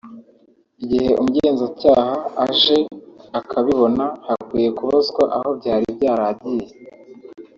‘igihe umugenzacyaha aje akabibona hakwiye kubazwa aho byari byaragiye’